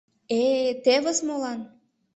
Э-э, тевыс молан!